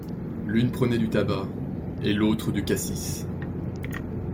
L’une prenait du tabac… et l’autre du cassis…